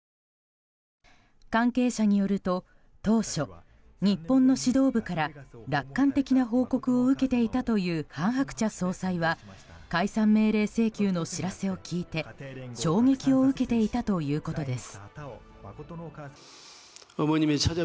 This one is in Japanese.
関係者によると当初、日本の指導部から楽観的な報告を受けていたという韓鶴子総裁は解散命令請求の知らせを聞いて衝撃を受けていたということです。